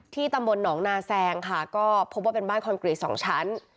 ตำบลหนองนาแซงค่ะก็พบว่าเป็นบ้านคอนกรีต๒ชั้น